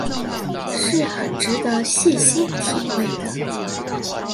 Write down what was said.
是很值得細心體會的